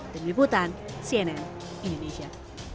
dengan liputan cnn indonesia